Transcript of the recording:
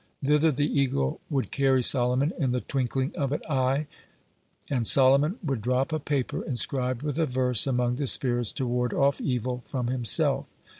Thither the eagle would carry Solomon in the twinkling of an eye, and Solomon would drop a paper inscribed with a verse among the spirits, to ward off evil from himself.